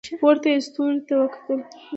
پورته یې ستوري ته وکتل.